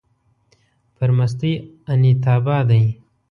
پر مستۍ انيتابا دی